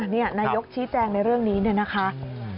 นี่นายกชี้แจงในเรื่องนี้เนี่ยนะคะ